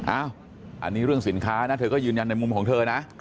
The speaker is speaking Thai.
อันนี้เรื่องสินค้านะเธอก็ยืนยันในมุมของเธอนะ